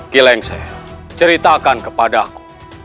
kileng saya ceritakan kepadaku